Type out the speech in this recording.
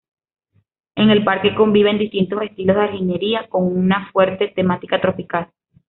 En el parque conviven distintos estilos de jardinería, con una fuerte temática tropical.